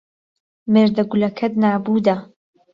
مێرده گولهکهت نابووده